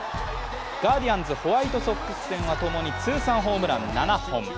ガーディアンズ、ホワイトソックス戦はともに通算ホームラン７本。